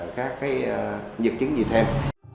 các cái vật chứng gì thêm